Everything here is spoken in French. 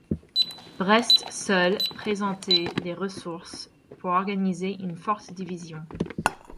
Brest seul présentait des ressources pour organiser une forte division.